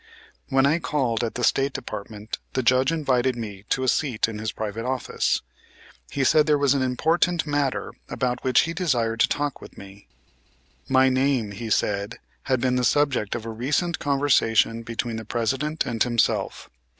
When I called at the State Department the Judge invited me to a seat in his private office. He said there was an important matter about which he desired to talk with me. My name, he said, had been the subject of a recent conversation between the President and himself.